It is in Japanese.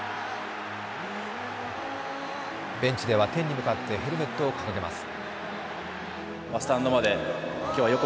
ベンチでは天に向かってヘルメットを掲げます。